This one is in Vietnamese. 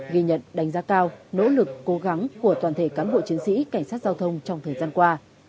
ghi nhận đánh giá cao nỗ lực cố gắng của toàn thể cán bộ chiến sĩ cảnh sát giao thông trong thời gian qua